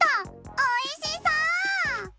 おいしそう！